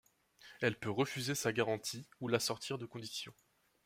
Elle peut refuser sa garantie ou l’assortir de conditions.